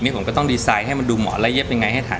พี่ก็จะบอกว่า